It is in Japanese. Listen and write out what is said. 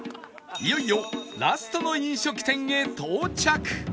いよいよラストの飲食店へ到着